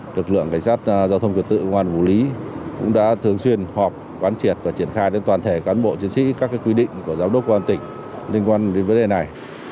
lực lượng cảnh sát giao thông kiểu tự quán vũ lý cũng đã thường xuyên họp quán triệt và triển khai đến toàn thể cán bộ chiến sĩ các quy định của giám đốc công an tỉnh liên quan đến vấn đề này